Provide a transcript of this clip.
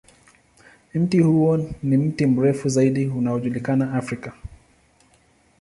Mti huo ni mti mrefu zaidi unaojulikana Afrika.